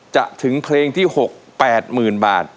ถึงเพลงที่๖๘๐๐๐บาท